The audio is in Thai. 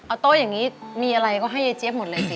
เอาโต๊ะอย่างนี้มีอะไรก็ให้ยายเจี๊ยบหมดเลยสิ